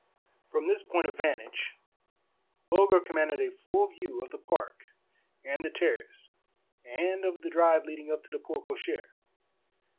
From this point of van tage Bulger commanded a full view of the park and the terrace and of the drive leading up to the porte cochere.